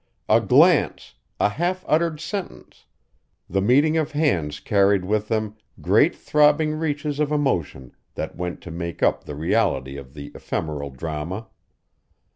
A glance, a half uttered sentence, the meeting of hands carried with them great throbbing reaches of emotion that went to make up the reality of the ephemeral drama.